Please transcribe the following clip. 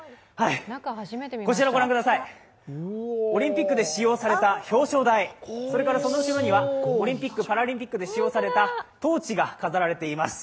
こちら、ご覧ください、オリンピックで使用された表彰台、それからその後ろにはオリンピック・パラリンピックで使用されたトーチが飾られています。